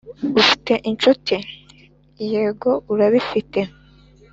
ufite inshuti, yego urabifite